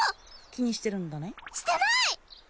気にしてるんだねしてない！